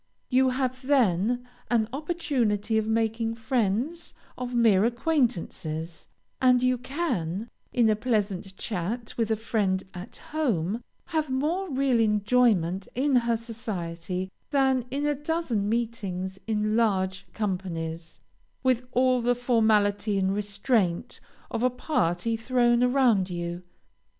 You have then an opportunity of making friends of mere acquaintances, and you can, in a pleasant chat with a friend at home, have more real enjoyment in her society than in a dozen meetings in large companies, with all the formality and restraint of a party thrown around you.